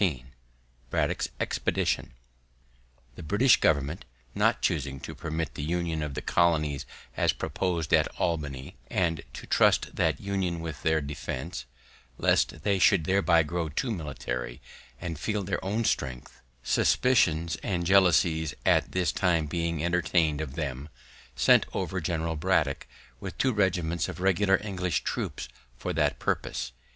XVI BRADDOCK'S EXPEDITION The British government, not chusing to permit the union of the colonies as propos'd at Albany, and to trust that union with their defense, lest they should thereby grow too military, and feel their own strength, suspicions and jealousies at this time being entertain'd of them, sent over General Braddock with two regiments of regular English troops for that purpose.